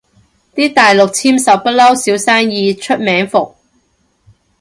啲大陸簽售不嬲少生意，出名伏